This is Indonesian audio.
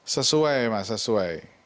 sesuai mas sesuai